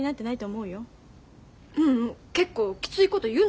ううん結構きついこと言うの。